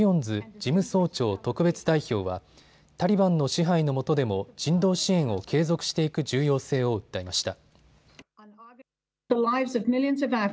事務総長特別代表はタリバンの支配のもとでも人道支援を継続していく重要性を訴えました。